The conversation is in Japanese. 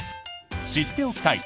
知っておきたい！